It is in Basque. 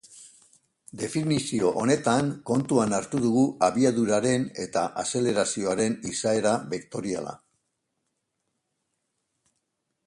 Definizio honetan kontuan hartu dugu abiaduraren eta azelerazioaren izaera bektoriala.